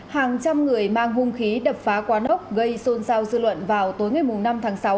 hàng trăm người mang hung khí đập phá quán ốc gây xôn xao dư luận vào tối ngày năm tháng sáu